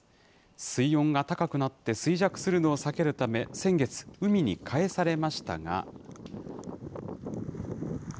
水温が高くなって衰弱するのを避けるため、先月、海に帰されましたが。